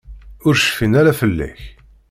Ur cfin ara fell-ak.